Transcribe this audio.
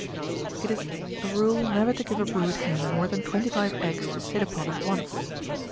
It is a rule never to give a brood hen more than twenty five^^ eggs to sit upon at once.